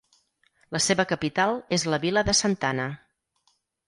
La seva capital és la vila de Santana.